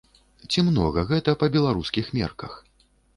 Ці многа гэта па беларускіх мерках?